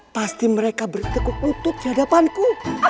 pasti mereka bertekuk utut di hadapanku